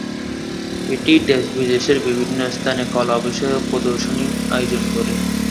এটি দেশ বিদেশের বিভিন্ন স্থানে কলা বিষয়ক প্রদর্শনী আয়োজন করে।